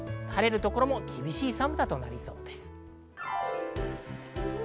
晴れるところも厳しい寒さとなりそうです。